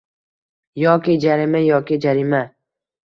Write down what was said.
Yoki jarima yoki jarima